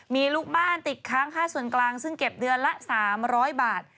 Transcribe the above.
มีลูกบ้านติดค้างค่าส่วนกลางซึ่งเก็บเดือนละ๓๐๐บาท